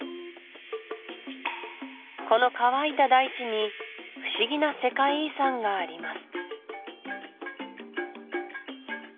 この乾いた大地に不思議な世界遺産があります